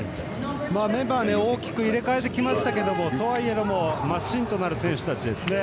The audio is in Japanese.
メンバー大きく入れ替えてきましたけどとはいえども芯となる選手たちですね。